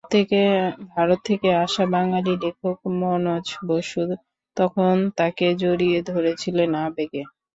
ভারত থেকে আসা বাঙালি লেখক মনোজ বসু তখন তাঁকে জড়িয়ে ধরেছিলেন আবেগে।